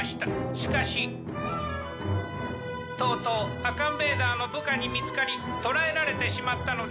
しかしとうとうアカンベーダーの部下に見つかり捕らえられてしまったのです。